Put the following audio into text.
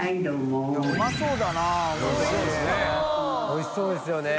おいしそうですよね。